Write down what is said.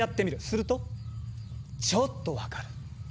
するとちょっと分かる。